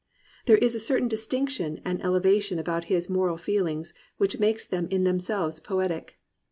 There is a certain distinction and ele vation about his moral feelings which makes them in themselves poetic.